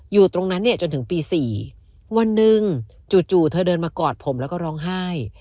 อยู่ตรงนั้นเนี่ยจนถึงปี๔วันหนึ่งจู่เธอเดินมากอดผมแล้วก็ร้องไห้